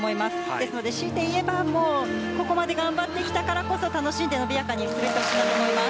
ですので、しいて言えばここまで頑張ってきたからこそ楽しんで伸びやかに滑ってほしいなと思います。